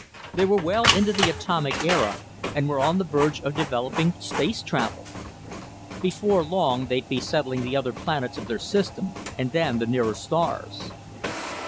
They were well into the atomic era, and were on the verge of developing space travel. Before long they'd be settling the other planets of their system, and then the nearer stars.